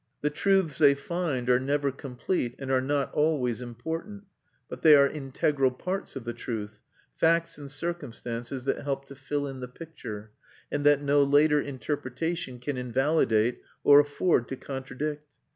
The truths they find are never complete, and are not always important; but they are integral parts of the truth, facts and circumstances that help to fill in the picture, and that no later interpretation can invalidate or afford to contradict.